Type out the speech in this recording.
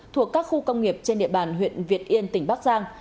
thuộc các khu công nghiệp trên địa bàn huyện việt yên tỉnh bắc giang